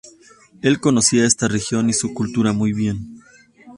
El conocía esta región y su cultura muy bien.